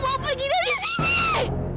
kalian semua pergi dari sini